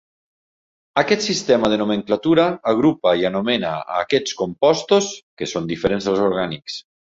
Aquest sistema de nomenclatura agrupa i anomena a aquests compostos, que són diferents dels orgànics.